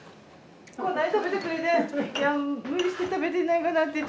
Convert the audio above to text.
こんなに食べてくれて。